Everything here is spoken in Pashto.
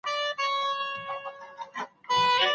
د غلا شويو کتابونو ارزښت نږدې سل زره ډالره و.